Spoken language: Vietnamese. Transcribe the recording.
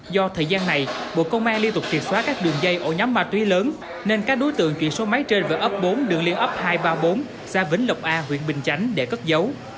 do thời gian này bộ công an liên tục triệt xóa các đường dây ổ nhóm ma túy lớn nên các đối tượng chuyển số máy trên vào ấp bốn đường liên ấp hai trăm ba mươi bốn xa vĩnh lộc a huyện bình chánh để cất dấu